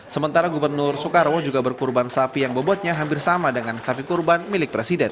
sementara gubernur soekarwo juga berkurban sapi yang bobotnya hampir sama dengan sapi kurban milik presiden